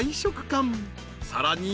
［さらに］